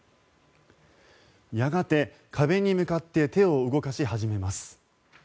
やがて、壁に向かって手を動かし始めます。